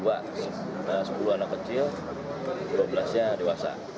ada sepuluh anak kecil dua belas nya dewasa